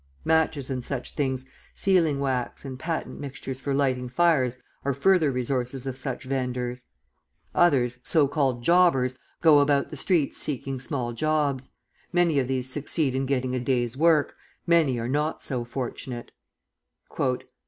Matches and such things, sealing wax, and patent mixtures for lighting fires are further resources of such venders. Others, so called jobbers, go about the streets seeking small jobs. Many of these succeed in getting a day's work, many are not so fortunate.